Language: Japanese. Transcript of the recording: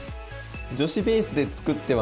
女子ベースで作ってはみた。